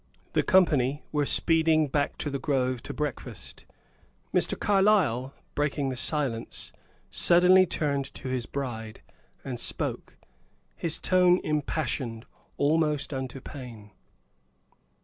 The company were speeding back to the Grove to breakfast. Mr. Carlyle, breaking the silence, suddenly turned to his bride and spoke, his tone impassioned, almost unto pain.